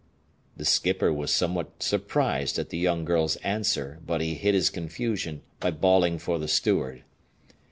The skipper was somewhat surprised at the young girl's answer, but he hid his confusion by bawling for the steward.